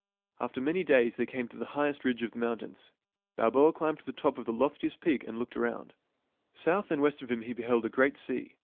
After many days they came to the highest ridge of the mountains. Balboa climbed to the top 14 THIRTY MORE FAMOUS STORIES of the loftiest peak and looked around. South and west of him he beheld a great sea.